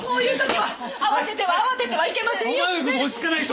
はい！